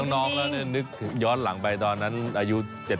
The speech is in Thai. น้องแล้วนึกย้อนหลังไปตอนนั้นอายุ๗๐